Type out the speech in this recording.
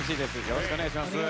よろしくお願いします。